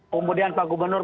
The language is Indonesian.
kemudian pak gubernur